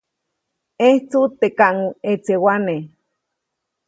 ʼẼjtsuʼt teʼ kaŋʼetsewane.